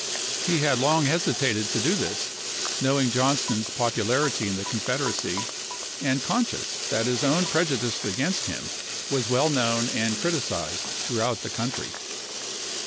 He had long hesi tated to do this, knowing Johnston's popularity in the Confederacy, and conscious that his own preju dice against him was well known and criticized throughout the country.